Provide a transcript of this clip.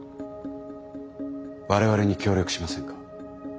我々に協力しませんか？